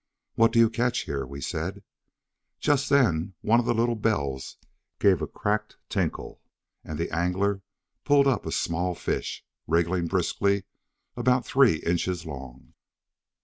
"What do you catch here?" we said. Just then one of the little bells gave a cracked tinkle and the angler pulled up a small fish, wriggling briskly, about three inches long.